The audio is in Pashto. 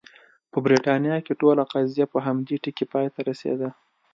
په برېټانیا کې ټوله قضیه په همدې ټکي پای ته رسېده.